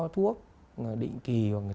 thuốc định kỳ